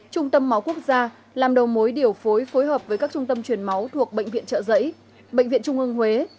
đồng mối điều phối phối hợp với các trung tâm chuyển máu thuộc bệnh viện trợ giấy bệnh viện trung ương huế